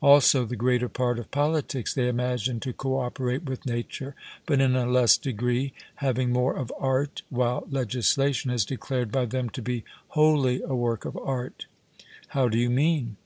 Also the greater part of politics they imagine to co operate with nature, but in a less degree, having more of art, while legislation is declared by them to be wholly a work of art. 'How do you mean?'